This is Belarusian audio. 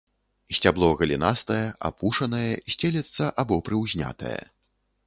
Сцябло галінастае, апушанае, сцелецца або прыўзнятае.